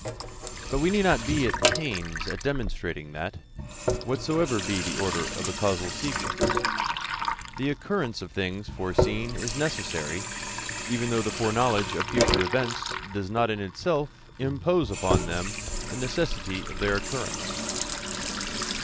But we need not be at the pains of demonstrating that, whatsoever be the order of the causal sequence, the occurrence of things foreseen is necessary, even though the foreknowledge of future events does not in itself impose upon them the necessity of their occurrence.